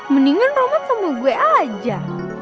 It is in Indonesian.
mendingan romad sama gue aja